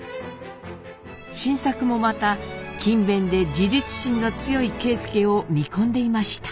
新作もまた勤勉で自立心の強い啓介を見込んでいました。